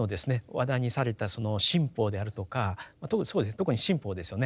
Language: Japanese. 話題にされたその新法であるとか特に新法ですよね